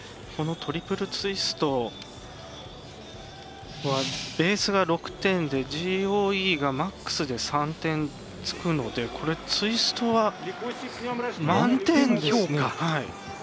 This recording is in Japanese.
このトリプルツイストはベースが６点でＧＯＥがマックスで３点つくのでこれ、ツイストは満点評価。